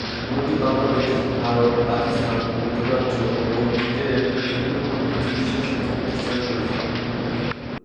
বইটি বাংলাদেশ, ভারত, পাকিস্তান, মধ্যপ্রাচ্য ও বৃটেনের বিভিন্ন চিকিৎসা শিক্ষা-প্রতিষ্ঠানে পরিচিত।